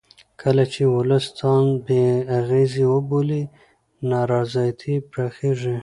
کله چې ولس ځان بې اغېزې وبولي نا رضایتي پراخېږي